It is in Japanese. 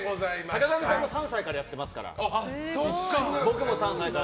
坂上さんも３歳からやってますから。